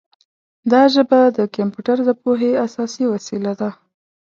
دا ژبه د کمپیوټر د پوهې اساسي وسیله ده.